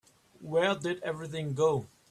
Where did everything go?